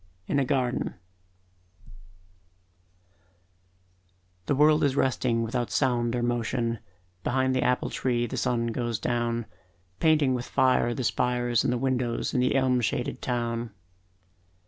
In a Garden The world is resting without sound or motion, Behind the apple tree the sun goes down Painting with fire the spires and the windows In the elm shaded town.